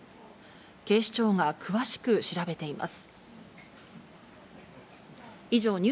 警視庁が詳しく調べています。